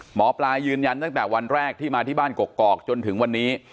หมอปลายืนยันตั้งแต่วันแรกที่มาที่บ้านกกอกจนถึงวันนี้